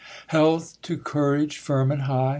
Health to courage firm and high!